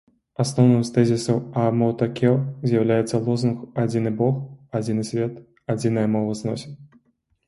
Асноўным з тэзісаў аамота-кё зьяўляецца лозунг «Адзіны Бог, Адзіны Свет, Адзіная мова зносін»